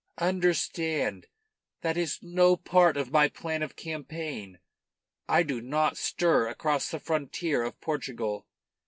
Understand, that is no part of my plan of campaign. I do not stir across the frontier of Portugal.